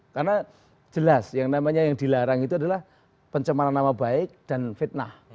karena jelas yang namanya yang dilarang itu adalah pencemaran nama baik dan fitnah